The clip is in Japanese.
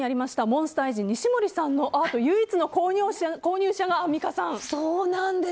モンスターエンジン西森さんのアート唯一の購入者がアンミカさん。